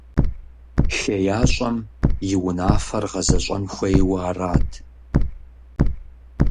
ХеящӀэм и унафээр гъэзэщӀэн хуейуэ арат.